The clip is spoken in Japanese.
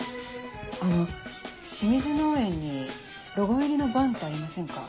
あの清水農園にロゴ入りのバンってありませんか？